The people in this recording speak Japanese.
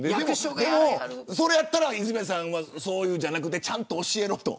それだったら泉谷さんはそういうのじゃなくてちゃんと教えろと。